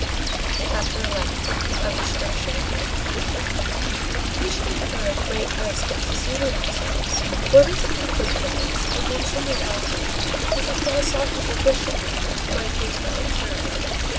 CHAPTER XI—A RESTRICTION We should incur a great risk of deceiving ourselves, were we to conclude from this that Monseigneur Welcome was "a philosophical bishop," or a "patriotic curé."